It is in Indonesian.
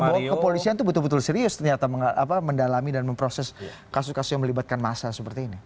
bahwa kepolisian itu betul betul serius ternyata mendalami dan memproses kasus kasus yang melibatkan massa seperti ini